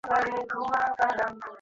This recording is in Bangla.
তাকে বলো, আমি ঠিক আছি।